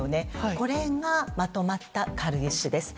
これがまとまった軽石です。